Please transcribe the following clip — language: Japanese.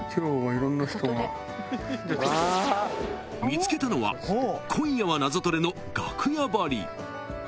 ［見つけたのは『今夜はナゾトレ』の楽屋バリ］